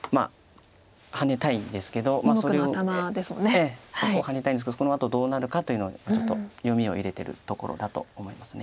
ええそこハネたいんですけどそのあとどうなるかというのをちょっと読みを入れてるところだと思います。